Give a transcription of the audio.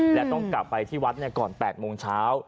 และต้องกลับไปที่วัดก่อน๘โมงเช้า